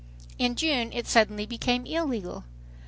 In June it suddenly becomes illegal